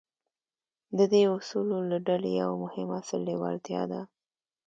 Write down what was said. د دې اصولو له ډلې يو مهم اصل لېوالتیا ده.